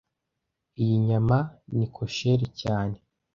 Iyi nyama ni kosher cyane